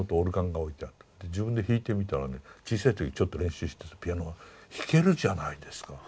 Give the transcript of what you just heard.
自分で弾いてみたらね小さい時ちょっと練習してたピアノが弾けるじゃないですか。